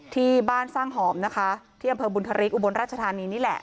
ที่บ้านสร้างหอมนะคะที่อำเภอบุญธริกอุบลราชธานีนี่แหละ